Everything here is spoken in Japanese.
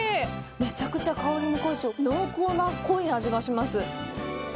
めちゃくちゃ香りも濃いし濃厚な濃い味がします。